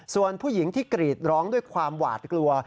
ส่วนผู้หญิงที่กรีดร้องด้วยความหวาดกลัว